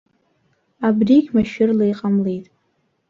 Абрыгь машәырла иҟамлеит.